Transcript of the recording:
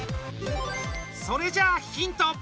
それじゃあヒント！